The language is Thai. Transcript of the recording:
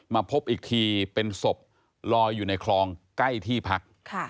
มาพบอีกทีเป็นศพลอยอยู่ในคลองใกล้ที่พัก